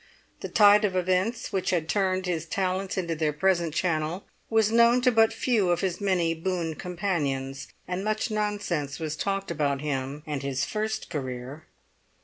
The tide of events which had turned his talents into their present channel, was known to but few of his many boon companions, and much nonsense was talked about him and his first career.